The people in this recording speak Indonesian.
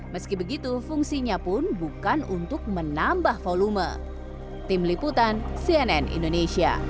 meski begitu fungsinya pun bukan untuk menambah volume